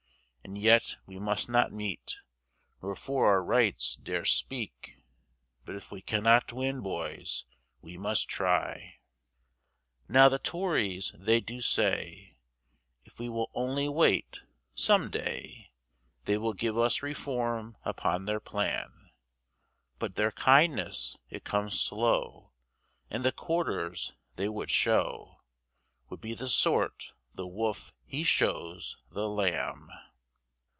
And yet we must not meet, Nor for our rights dare speak, But if we cannot win, boys, we must try! Now the Tories they do say, If we will only wait, some day They will give us Reform upon their plan; But their kindness it comes slow, And the quarters they would show, Would be the sort the wolf he shows the lamb.